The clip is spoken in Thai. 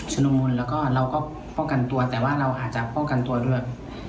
นุมูลแล้วก็เราก็ป้องกันตัวแต่ว่าเราอาจจะป้องกันตัวด้วย